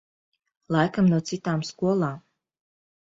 Laikam no citām skolām.